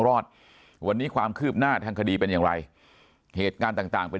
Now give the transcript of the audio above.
รอดวันนี้ความคืบหน้าทางคดีเป็นอย่างไรเหตุการณ์ต่างต่างเป็น